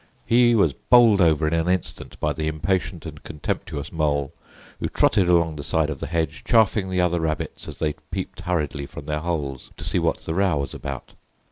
He was bowled over in an instant by the impatient and contemptuous Mole, who trotted along the side of the hedge chaffing the other rabbits as they peeped hurriedly from their holes to see what the row was about.